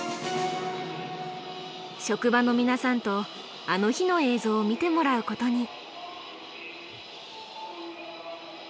職場の皆さんと「あの日」の映像を見てもらうことに。